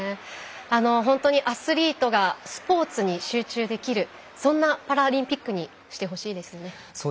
本当にアスリートがスポーツに集中できるそんなパラリンピックにしてほしいですね。